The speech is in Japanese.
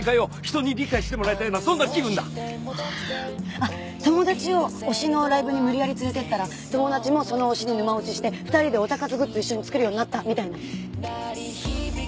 あっ友達を推しのライブに無理やり連れていったら友達もその推しに沼落ちして２人でオタ活グッズ一緒に作るようになったみたいな？